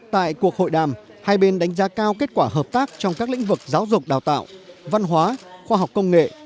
tại cuộc hội đàm hai bên đánh giá cao kết quả hợp tác trong các lĩnh vực giáo dục đào tạo văn hóa khoa học công nghệ